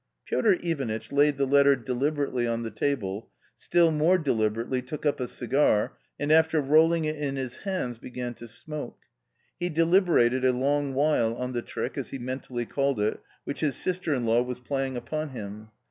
Piotr Ivanitch laid the letter deliberately on the table, still more deliberately took up a cigar, and after rolling it in his hands, began to smoke. He deliberated a long while on the trick, as he mentally called it, which his sister in law was playing upon him.